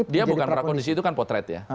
dia bukan prakondisi itu kan potret ya